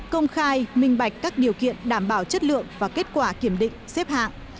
công khai minh bạch các điều kiện đảm bảo chất lượng và kết quả kiểm định xếp hạng